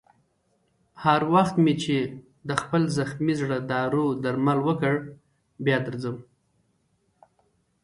هر وخت مې چې د خپل زخمي زړه دارو درمل وکړ، بیا درځم.